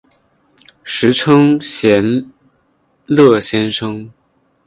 时称闲乐先生。